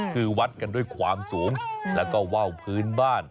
คือวัดกันด้วยความสูงแล้วก็ว่าวพื้นบ้าน